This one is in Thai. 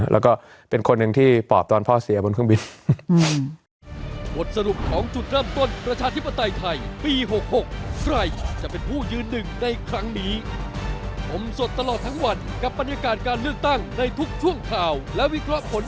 แล้วก็เป็นคนหนึ่งที่ปอบตอนพ่อเสียบนเครื่องบิน